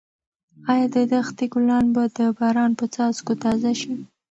ایا د دښتې ګلان به د باران په څاڅکو تازه شي؟